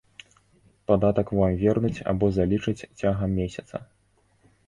Падатак вам вернуць або залічаць цягам месяца.